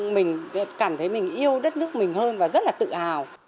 mình cảm thấy mình yêu đất nước mình hơn và rất là tự hào